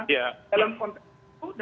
dalam konteks itu